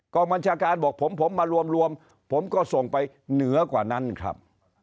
บัญชาการบอกผมมารวมผมก็ส่งไปเหนือกว่านั้นครับ